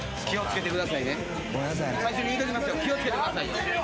気を付けてくださいよ。